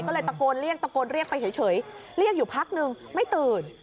ก็เลยตะโกนเรียกตะโกนเรียกไปเฉยเรียกอยู่พักนึงไม่ตื่น